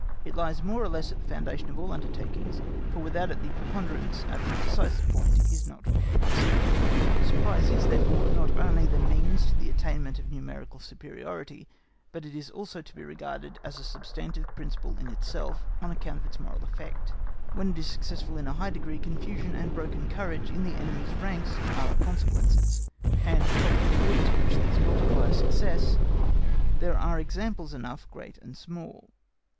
It lies more or less at the foundation of all undertakings, for without it the preponderance at the decisive point is not properly conceivable. The surprise is, therefore, not only the means to the attainment of numerical superiority; but it is also to be regarded as a substantive principle in itself, on account of its moral effect. When it is successful in a high degree, confusion and broken courage in the enemy's ranks are the consequences; and of the degree to which these multiply a success, there are examples enough, great and small.